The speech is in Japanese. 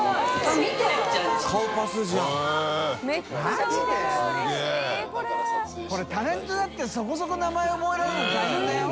海タレントだってそこそこ名前覚えられるの大変だよ。